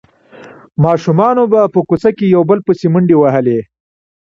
ماشومانو به په کوڅه کې یو بل پسې منډې وهلې.